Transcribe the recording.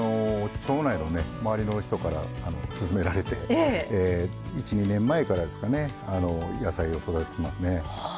町内のね周りの人から勧められて１２年前からですかね野菜を育ててますね。